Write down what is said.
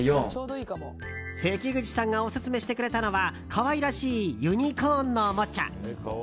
関口さんがオススメしてくれたのは可愛らしいユニコーンのおもちゃ。